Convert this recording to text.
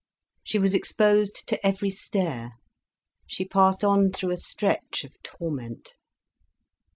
She was exposed to every stare, she passed on through a stretch of torment.